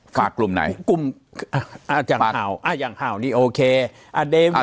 ฝากกลุ่มไหนกลุ่มอ่าจังห่าวอ่าจังห่าวนี่โอเคอ่า